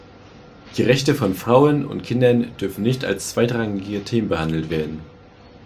Die Rechte von Frauen und Kindern dürfen nicht als zweitrangige Themen behandelt werden.